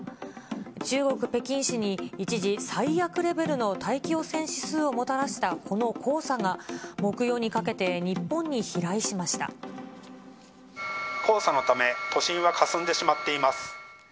中国・北京市に一時、最悪レベルの大気汚染指数をもたらしたこの黄砂が、黄砂のため、都心はかすんでしまっています。